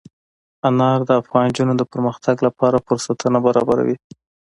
انار د افغان نجونو د پرمختګ لپاره فرصتونه برابروي.